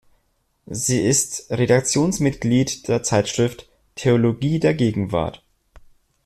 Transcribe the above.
Sie ist Redaktionsmitglied der Zeitschrift "Theologie der Gegenwart".